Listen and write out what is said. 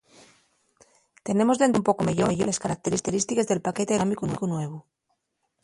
Tenemos d'entender un poco meyor les carauterístiques del paquete aerodinámicu nuevu.